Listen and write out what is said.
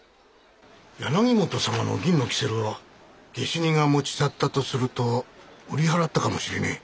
柳本様の銀のキセルを下手人が持ち去ったとすると売り払ったかもしれねえ。